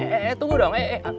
eh eh eh tunggu dong